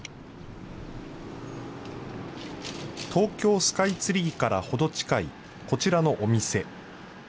東京スカイツリーから程近い、こちらのお店。